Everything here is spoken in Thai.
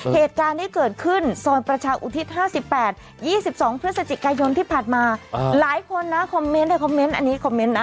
เหตุการณ์ที่เกิดขึ้นซอยประชาอุทิศ๕๘๒๒พฤศจิกายนที่ผ่านมาหลายคนนะคอมเมนต์ในคอมเมนต์อันนี้คอมเมนต์นะ